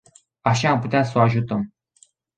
Așa am putea să o ajutăm.